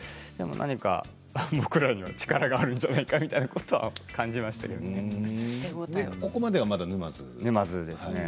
何か僕らには力があるんじゃないここまではまだ沼津ですね。